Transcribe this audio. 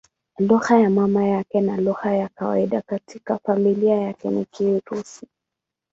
Lugha ya mama yake na lugha ya kawaida katika familia yake ni Kirusi.